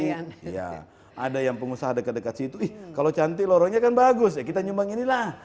ada yang nyumbang ini ada yang pengusaha dekat dekat situ ih kalau cantik lorongnya kan bagus ya kita nyumbang ini lah